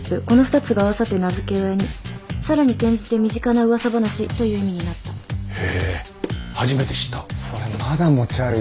「この二つが合わさって『名付け親』にさらに転じて『身近な噂話』という意味になった」へ初めて知った。